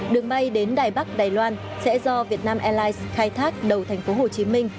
đường bay đến đài bắc đài loan sẽ do việt nam airlines khai thác đầu tp hcm